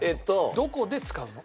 どこで使うの？